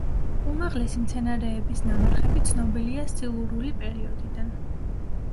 უმაღლესი მცენარეების ნამარხები ცნობილია სილურული პერიოდიდან.